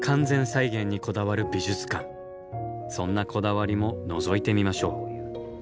そんなこだわりものぞいてみましょう。